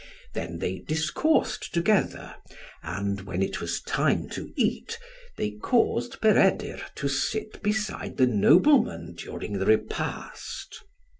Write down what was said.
Then they discoursed together; and when it was time to eat, they caused Peredur to sit beside the nobleman during the repast.